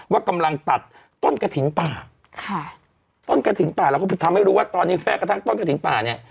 ว่ากำลังตัดต้นกระถิ่นป่าค่ะต้นกระถิ่นป่าเราก็ทำให้รู้ว่าตอนนี้แฟ้กระทั่งต้นกระถิ่นป่าเนี่ย